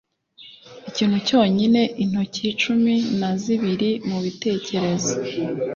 ikintu cyonyine, intoki cumi na zibiri, mubitekerezo